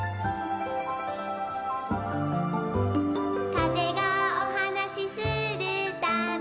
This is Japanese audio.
「かぜがおはなしするたび」